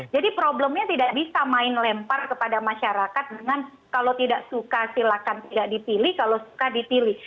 jadi problemnya tidak bisa main lempar kepada masyarakat dengan kalau tidak suka silakan tidak dipilih kalau suka dipilih